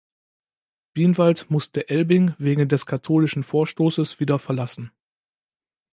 Bienwald musste Elbing wegen des katholischen Vorstoßes wieder verlassen.